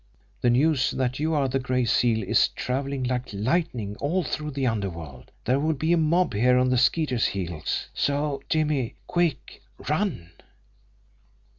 The news that you are the Gray Seal is travelling like lightning all through the underworld there will be a mob here on the Skeeter's heels. So, Jimmie quick! Run!"